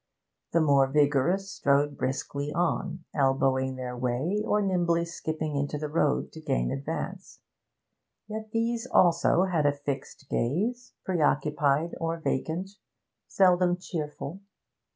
The more vigorous strode briskly on, elbowing their way, or nimbly skipping into the road to gain advance; yet these also had a fixed gaze, preoccupied or vacant, seldom cheerful.